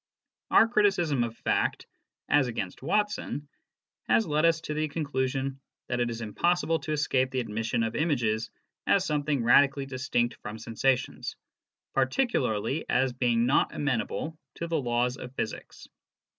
Our criticism of fact, as against Watson, has led us to the conclusion that it is impossible to escape the admission of images as something radically distinct from sensations, par ticularly as being not amenable to the laws of physics.